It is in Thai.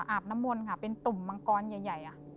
อาบน้ำมนต์ค่ะเป็นตุ่มมังกรใหญ่